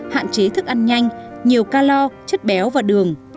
hạn chế thức ăn nhanh nhiều calor chất béo và đường